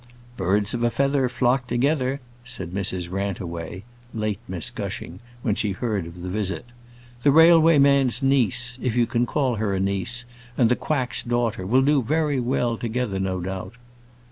"Birds of a feather flock together," said Mrs Rantaway late Miss Gushing when she heard of the visit. "The railway man's niece if you can call her a niece and the quack's daughter will do very well together, no doubt."